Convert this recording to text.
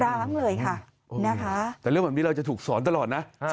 แต่เรื่องเหมือนจังเราจะถูกสอนตลอดนะ